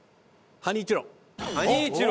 ハニーチュロ。